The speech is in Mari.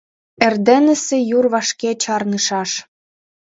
— Эрденысе йӱр вашке чарнышаш.